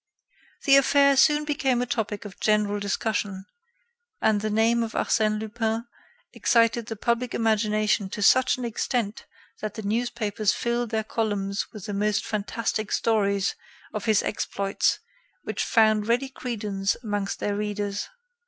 The affair soon became a topic of general discussion, and the name of Arsène Lupin excited the public imagination to such an extent that the newspapers filled their columns with the most fantastic stories of his exploits which found ready credence amongst their readers.